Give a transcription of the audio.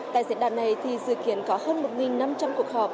tại diễn đàn này thì sự kiện có hơn một năm trăm linh cuộc họp